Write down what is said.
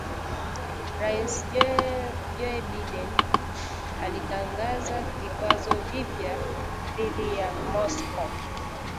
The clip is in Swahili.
Rais Joe Biden alitangaza vikwazo vipya dhidi ya Moscow